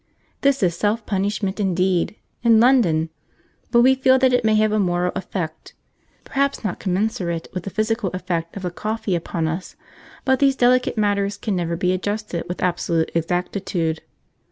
This is self punishment indeed (in London!), yet we feel that it may have a moral effect; perhaps not commensurate with the physical effect of the coffee upon us, but these delicate matters can never be adjusted with absolute exactitude.